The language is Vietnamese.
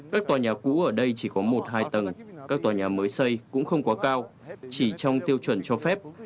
các tòa nhà cũ ở đây chỉ có một hai tầng các tòa nhà mới xây cũng không quá cao chỉ trong tiêu chuẩn cho phép